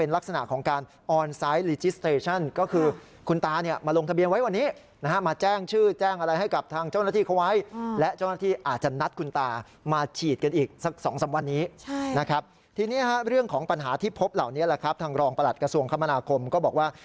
รองประหลัดกระทรวงคมนาคมก็บอกว่า